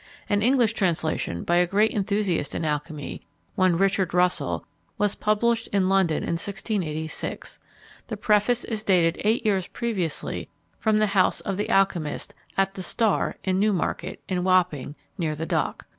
An English translation, by a great enthusiast in alchymy, one Richard Russell, was published in London in 1686. The preface is dated eight years previously from the house of the alchymist, "at the Star, in Newmarket, in Wapping, near the Dock."